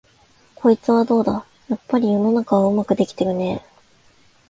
こいつはどうだ、やっぱり世の中はうまくできてるねえ、